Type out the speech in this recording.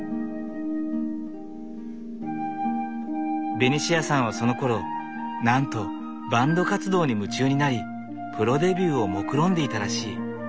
ベニシアさんはそのころなんとバンド活動に夢中になりプロデビューをもくろんでいたらしい。